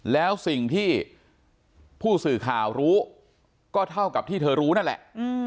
แล้วสิ่งที่ผู้สื่อข่าวรู้ก็เท่ากับที่เธอรู้นั่นแหละ